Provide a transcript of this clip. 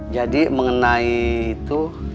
jadi mengenai itu